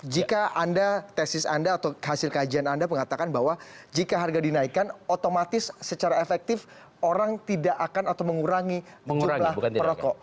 jika anda tesis anda atau hasil kajian anda mengatakan bahwa jika harga dinaikkan otomatis secara efektif orang tidak akan atau mengurangi jumlah perokok